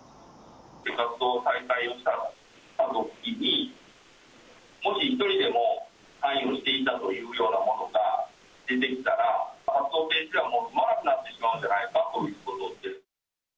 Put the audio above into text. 活動を再開したときに、もし一人でも関与していたという者が出てきたら、活動停止ではもう済まなくなってしまうのではないかということで。